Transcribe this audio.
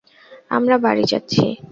আমরা বাড়ি যাচ্ছি।